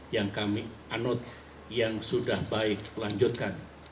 yang kami anut yang sudah baik lanjutkan